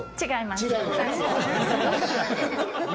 違います。